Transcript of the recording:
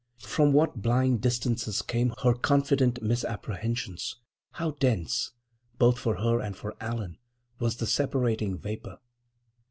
From what blind distances came her confident misapprehensions, how dense, both for her and for Allan, was the separating vapor!